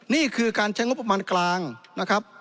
นี่คือการใช้งบประมาณกลางนะครับ